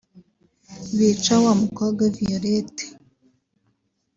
bica wa mukobwa Violette